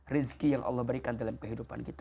rizki yang allah berikan dalam kehidupan kita